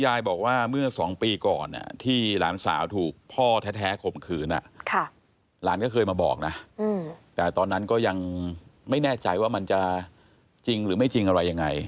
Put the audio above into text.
ยายบอกว่าเมื่อ๒ปีก่อนที่หลานสาวถูกพ่อแท้ข่มขืนหลานก็เคยมาบอกนะแต่ตอนนั้นก็ยังไม่แน่ใจว่ามันจะจริงหรือไม่จริงอะไรยังไง